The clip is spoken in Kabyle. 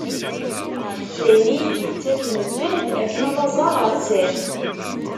D ayen i yi-d-yettaken lǧehd akken ad aẓeɣ ɣer zzat.